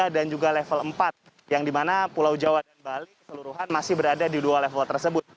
juga level empat yang dimana pulau jawa dan bali keseluruhan masih berada di dua level tersebut